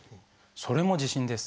それも地震です。